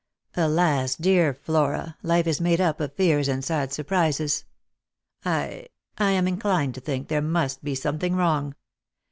Alas, dear Flora, life is made up of fears and sad surprises. I — I am inclined to think there must be something wrong."